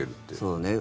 そうね。